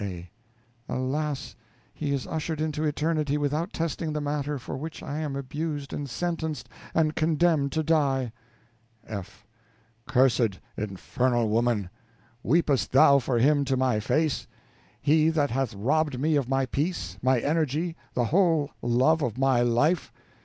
A. Alas! he is ushered into eternity without testing the matter for which I am abused and sentenced and condemned to die. F. Cursed, infernal woman! Weepest thou for him to my face? He that hath robbed me of my peace, my energy, the whole love of my life?